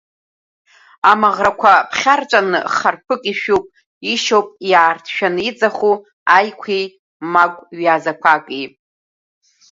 Амаӷрақәа ԥхьарҵәаны харԥык ишәуп, ишьоуп иаарҭшәаны иӡаху аиқәеи магә ҩазақәаки.